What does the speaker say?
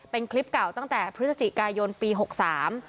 เป็นคลิปเก่าตั้งแต่พฤศจิกายนปีหกสาม